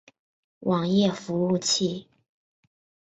网页服务器。